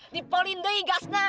di polin deh gasnya